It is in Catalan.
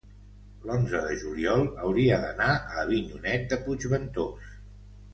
l'onze de juliol hauria d'anar a Avinyonet de Puigventós.